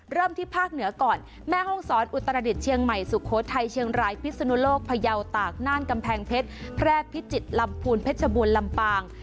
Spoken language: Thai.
เริ่มที่ภาคเหนือก่อนแม่ห้องศรอุตรดิษฐ์เชียงใหม่สุโขทัยเชียงรายพิศนุโลกพยาวตากน่านกำแพงเพชรแพร่พิจิตรลำพูนเพชรบูรลำปาง